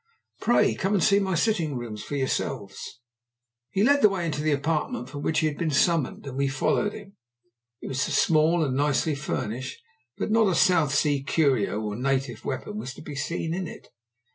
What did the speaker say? Pray come and see my sitting rooms for yourselves." He led the way into the apartment from which he had been summoned, and we followed him. It was small and nicely furnished, but not a South Sea curio or native weapon was to be seen in it.